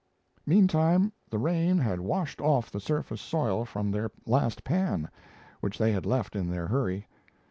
Meantime the rain had washed off the surface soil from their last pan, which they had left in their hurry.